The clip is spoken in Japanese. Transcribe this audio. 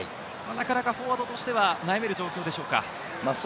なかなかフォワードとしては悩める状況でしょうか？